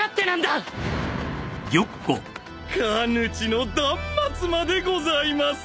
「鍛人の断末魔」でございます。